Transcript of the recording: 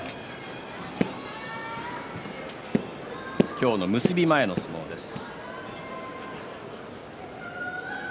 今日の結び前の相撲です。